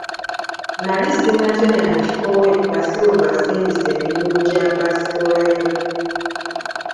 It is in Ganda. Nali sinnatemya na kikowe, nga Silver asindise emidumu gya basitoola ye.